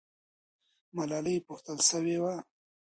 ملالۍ پوښتل سوې وه.